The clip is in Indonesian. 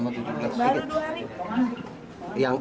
ada yang ngajak atau gimana